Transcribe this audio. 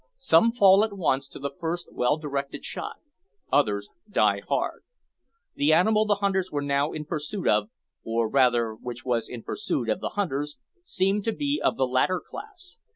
Some fall at once to the first well directed shot; others die hard. The animal the hunters were now in pursuit of, or rather which was in pursuit of the hunters, seemed to be of the latter class.